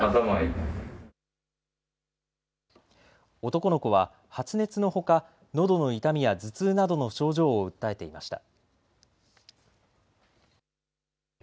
男の子は発熱のほか、のどの痛みや頭痛などの症状を訴えていました。